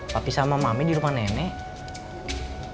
tapi sama mami di rumah nenek